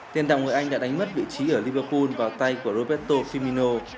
tiền đạo người anh đã đánh mất vị trí ở liverpool vào tay của roberto firmino